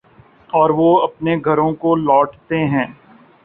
اوروہ اپنے گھروں کو لوٹتے ہیں۔